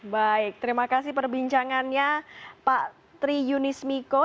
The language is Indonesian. baik terima kasih perbincangannya pak tri yunis miko